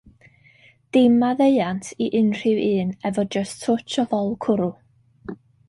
Dim maddeuant i unrhyw un efo jyst twtsh o fol cwrw!